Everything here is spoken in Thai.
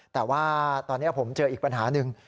แต่ว่าตอนนี้ผมเจออีกปัญหาหนึ่ง